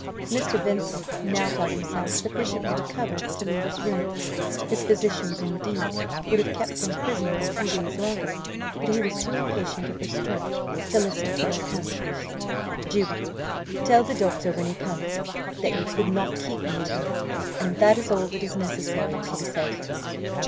Mr. Vincent now thought himself sufficiently recovered to leave his room; his physicians, indeed, would have kept him prisoner a few days longer, but he was too impatient of restraint to listen to their counsels. "Juba, tell the doctor, when he comes, that you could not keep me at home; and that is all that is necessary to be said."